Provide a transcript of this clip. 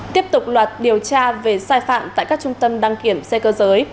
tiếp tục loạt điều tra về sai phạm tại các trung tâm đăng kiểm xe cơ giới